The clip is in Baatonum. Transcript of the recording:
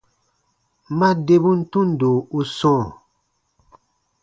Ma debun tundo u sɔ̃ɔ.